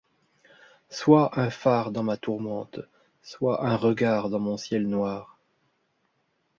Sois un phare dans ma tourmente, Sois un regard dans mon ciel noir !